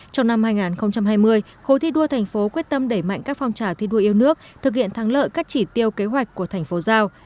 trong năm hai nghìn hai mươi khối thi đua thành phố quyết tâm đẩy mạnh các phong trào thi đua yêu nước thực hiện thắng lợi các chỉ tiêu kế hoạch của thành phố giao